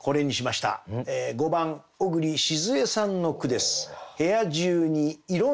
５番小栗しづゑさんの句です。